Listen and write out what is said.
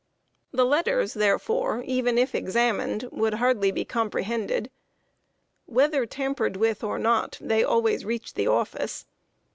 The letters, therefore, even if examined, would hardly be comprehended. Whether tampered with or not, they always reached the office.